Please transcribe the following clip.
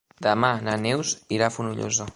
Demà na Neus irà a Fonollosa.